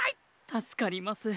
たすかります。